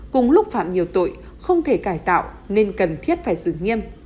cùng lúc phạm nhiều tội không thể cải tạo nên cần thiết phải xử nghiêm